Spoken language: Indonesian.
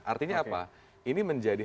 artinya apa ini menjadi